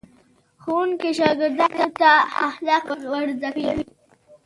ښوونکي شاګردانو ته اخلاق ور زده کوي.